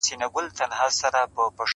تا دي کرلي ثوابونه د عذاب وخت ته,